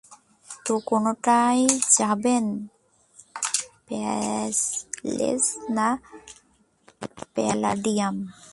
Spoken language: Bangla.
তো কোনটায় যাবেন, প্যালেস না প্যালাডিয়াম?